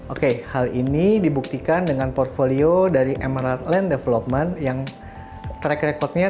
oke hal ini dibuktikan dengan portfolio dari emirate land development yang track record nya